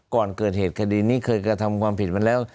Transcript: ก่อนเกิดเหตุคดีนี้เคยกระทำความผิดมาแล้ว